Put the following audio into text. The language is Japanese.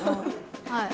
はい。